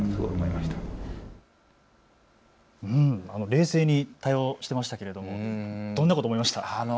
冷静に対応していましたけれどもどんなこと思いました？